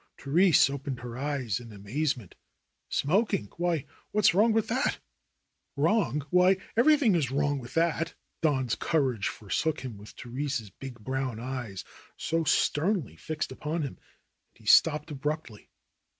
Therese opened her eyes in amazement. "Smoking! Why, what's wrong with that ?" "Wrong ! Why, everything is wrong with it." Don's courage forsook him with Therese's big brown eyes so sternly fixed upon him, and he stopped abruptly.